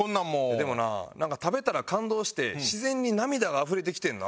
でもななんか食べたら感動して自然に涙があふれてきてんな。